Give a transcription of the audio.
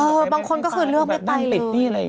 เออบางคนก็คือเลือกไม่ไปเลย